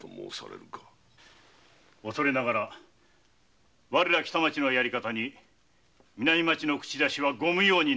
恐れながら我ら北町のやり方に南町の口出しはご無用に願います。